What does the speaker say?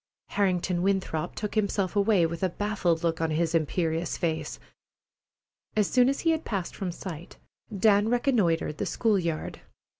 Harrington Winthrop took himself away, with a baffled look on his imperious face. As soon as he had passed from sight, Dan reconnoitred the school yard.